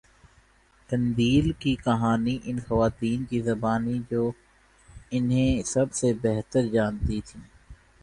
قندیل کی کہانی ان خواتین کی زبانی جو انہیں سب سےبہتر جانتی تھیں